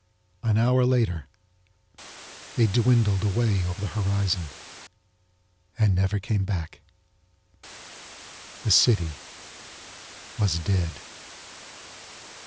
An hour later they dwindled away over the horizon and never came back. The city was dead.